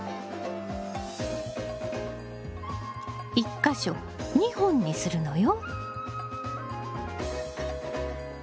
１か所２本にするのよ。